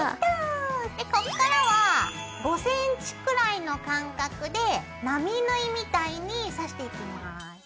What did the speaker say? でこっからは５ｃｍくらいの間隔で並縫いみたいに刺していきます。